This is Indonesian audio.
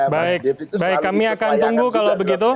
baik baik kami akan tunggu kalau begitu